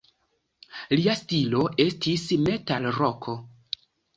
Lia stilo estis metalroko.